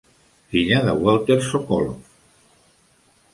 Filla de Walter Sokolow.